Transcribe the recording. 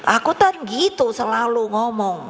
aku kan gitu selalu ngomong